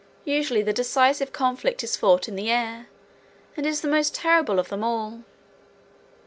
Usually the decisive conflict is fought in the air, and is the most terrible of them all.